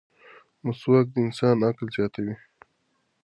مسواک د انسان عقل زیاتوي.